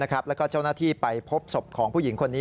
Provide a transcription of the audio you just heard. แล้วก็เจ้าหน้าที่ไปพบศพของผู้หญิงคนนี้